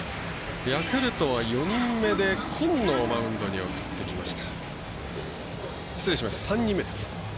ヤクルトは３人目で今野をマウンドに送ってきました。